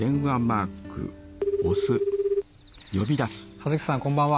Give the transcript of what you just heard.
葉月さんこんばんは。